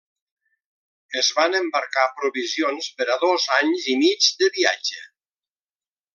Es van embarcar provisions per a dos anys i mig de viatge.